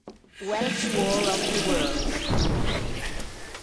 Wells' War of the Worlds".